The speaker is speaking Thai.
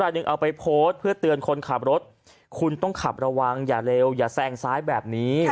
หากเข้ามาครับ